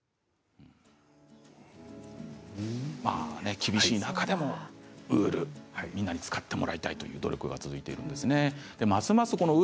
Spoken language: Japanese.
厳しい中でもウールみんなに使ってもらいたいということをやってるんですね。